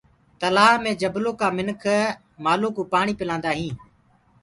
تلآه مي جبلو ڪآ مِنک مآلو ڪوُ پآڻي پِلآندآ هينٚ۔